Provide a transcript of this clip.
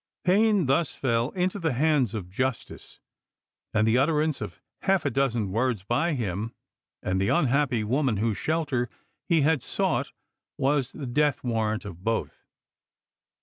Payne thus fell into the hands of justice, and the utterance of half a dozen words by him and the unhappy woman whose shelter he had sought was the death warrant of both.